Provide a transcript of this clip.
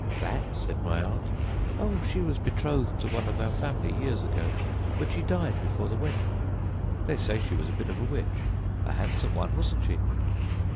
"'That?' said my aunt. 'Oh! she was betrothed to one of our family many years ago, but she died before the wedding. They say she was a bit of a witch. A handsome one, wasn't she?'